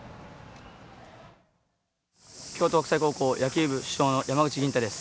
京都国際高校野球部主将の山口吟太です。